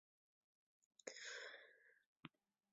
在晚年也使用复写纸。